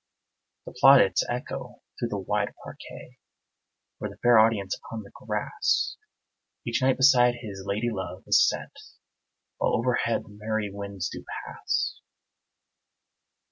The plaudits echo through the wide parquet Where the fair audience upon the grass, Each knight beside his lady love, is set, While overhead the merry winds do pass.